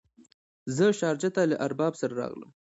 زه شارجه ته له ارباب سره راغلم.